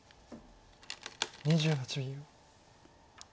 ２８秒。